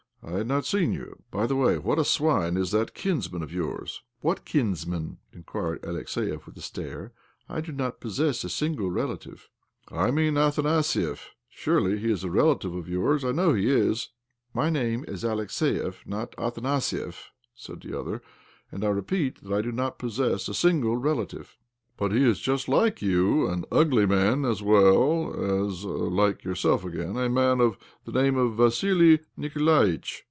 " I had not seen you. By the way, what a swine is that kinsman of yours I "" What kinsman ?" inquired Alexiev with a stare. " I do not possess a single relative." 4 50 OBLOMOV " I mean Athanasiev. Surely he is a rela tive of yours? I know he is." " My name is Alexiev, not Athanasiev," said the other. " And I repeat that I do not possess a single Relative." " But he is just like you— an ugly man, as well as (like yourself, again) a man of the name of Vassili Nikolaitch?"